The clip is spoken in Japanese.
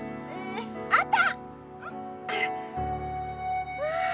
あった！